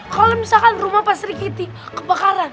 kalau misalkan rumah pasri kiti kebakaran